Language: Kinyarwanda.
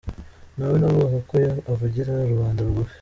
Nawe yavugaga ko avugira rubanda rugufi.